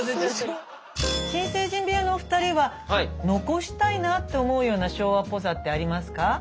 新成人部屋のお二人は残したいなって思うような昭和っぽさってありますか？